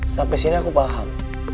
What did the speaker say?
sampai sini aku paham